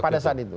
pada saat itu